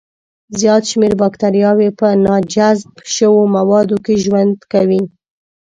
زیات شمېر بکتریاوي په ناجذب شوو موادو کې ژوند کوي.